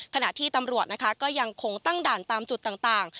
ขณะที่ตำรวจนะคะก็ยังคงตั้งด่านตามจุดต่าง